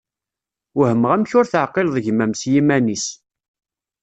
Wehmeɣ amek ur teεqileḍ gma-m s yiman-is.